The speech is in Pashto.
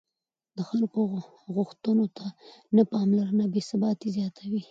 د خلکو غوښتنو ته نه پاملرنه بې ثباتي زیاتوي